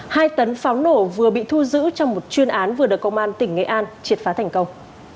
hai tấn pháo nổ vừa bị thu giữ trong một chuyên án vừa được công an tỉnh nghệ an triệt phá thành công